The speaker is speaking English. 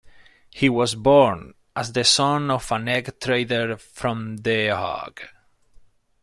He was born as the son of an egg trader from The Hague.